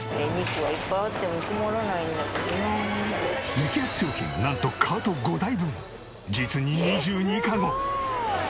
激安商品なんとカート５台分実に２２かご！